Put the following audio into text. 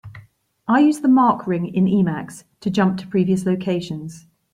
I use the mark ring in Emacs to jump to previous locations.